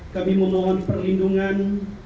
kami memohon perlindungan